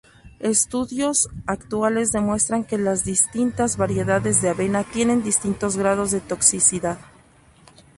Estudios actuales demuestran que las distintas variedades de avena tienen distintos grados de toxicidad.